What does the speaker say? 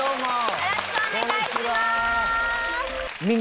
よろしくお願いします！